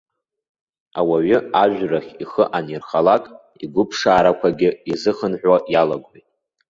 Ауаҩы ажәрахь ихы анирхалак, игәыԥшаарақәагьы изыхынҳәуа иалагоит.